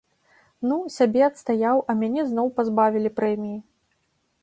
Ну, сябе адстаяў, а мяне зноў пазбавілі прэміі.